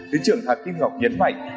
thế trưởng thạc kim ngọc nhấn mạnh